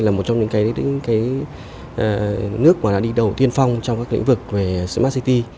là một trong những nước mà đã đi đầu tiên phong trong các lĩnh vực về smart city